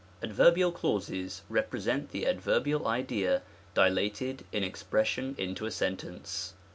Adverbial clauses represent the adverbial idea dilated in expression into a sentence.